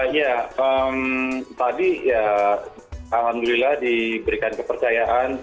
ya tadi ya alhamdulillah diberikan kepercayaan